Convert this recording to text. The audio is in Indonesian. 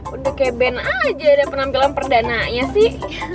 udah kayak ben aja ada penampilan perdana nya sih